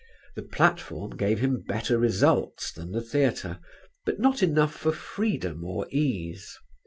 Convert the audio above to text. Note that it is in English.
The platform gave him better results than the theatre, but not enough for freedom or ease.